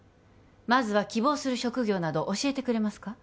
まずは希望する職業など教えてくれますか？